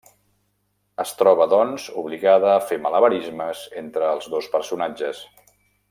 Es troba doncs obligada a fer malabarismes entre els dos personatges.